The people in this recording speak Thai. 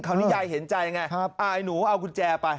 คราวนี้ยายเห็นใจไงครับอ่าไอ้หนูเอากุญแจไป